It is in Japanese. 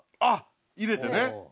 あっ入れてね。